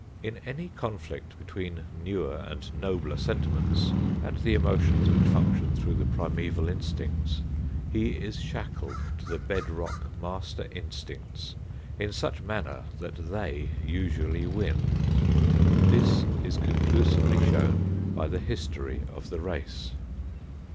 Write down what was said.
In any conflict between newer and nobler sentiments and the emotions which function through the primeval instincts, he is shackled to the bed rock master instincts in such manner that they usually win. This is conclusively shown by the history of the race.